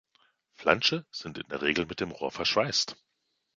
Flansche sind in der Regel mit dem Rohr verschweißt.